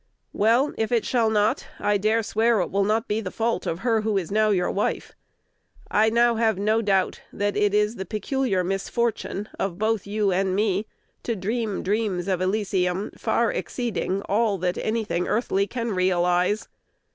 Weil, if it shall not, I dare swear it will not be the fault of her who is now your wife. I now have no doubt, that it is the peculiar misfortune of both you and me to dream dreams of Elysium far exceeding all that any thing earthly can realize.